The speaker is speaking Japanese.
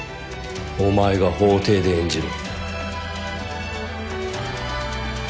お前が法廷で演じる。